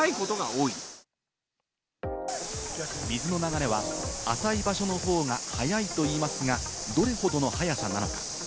水の流れは浅い場所の方が速いといいますが、どれほどの速さなのか？